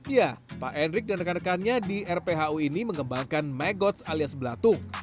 ya pak erik dan rekan rekannya di rphu ini mengembangkan megots alias belatung